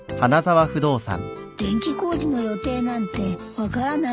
電気工事の予定なんて分からないわねえ。